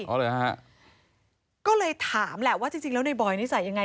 เลยฮะก็เลยถามแหละว่าจริงจริงแล้วในบอยนิสัยยังไง